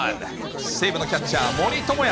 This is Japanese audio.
西武のキャッチャー、森友哉。